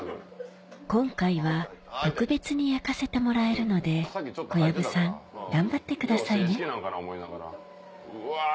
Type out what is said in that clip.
今回は特別に焼かせてもらえるので小籔さん頑張ってくださいねうわ